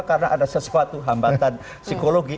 karena ada sesuatu hambatan psikologi